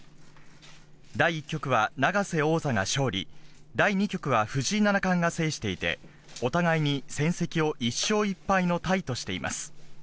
第１局は、永瀬王座が勝利、第２局は、藤井七冠が制していて、お互いに戦績を１勝１敗のタイとしています。